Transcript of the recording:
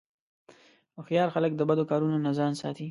هوښیار خلک د بدو کارونو نه ځان ساتي.